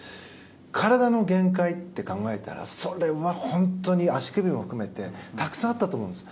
体の限界って考えたらそれは本当に足首も含めてたくさんあったと思うんです。